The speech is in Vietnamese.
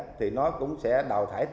có thể trồng hoặc là tẩy sinh